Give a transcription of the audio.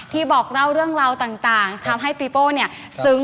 ที่บอกเล่าเรื่องราวต่างทำให้ปีโปร์ซึ้ง